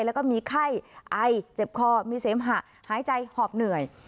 แล้วก็มีไข้ไอเจ็บคอมีเสมหะหายใจหอบเหนื่อย